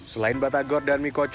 selain batagor dan miku